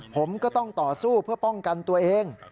ผมก็ต้องต่อสู้เพื่อป้องกันตัวเอง